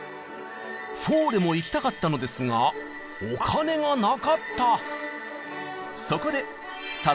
フォーレも行きたかったのですがお金がなかった！